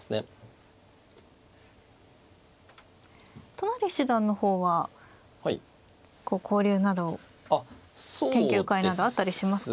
都成七段の方は交流など研究会などあったりしますか。